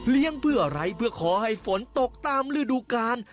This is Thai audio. เพื่ออะไรเพื่อขอให้ฝนตกตามฤดูกาล